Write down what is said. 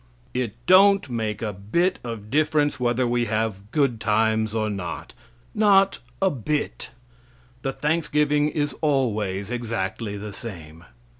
It don't make a bit of difference whether we have good times or not not a bit; the thanksgiving is always exactly the same.